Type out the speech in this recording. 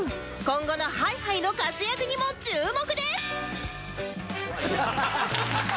今後の Ｈｉ−Ｈｉ の活躍にも注目です！